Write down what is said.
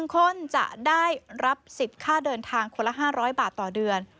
๑คนจะได้รับสิทธิ์ค่าเดินทางคนละ๕๐๐บาทต่อเดือน